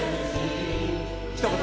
ひと言。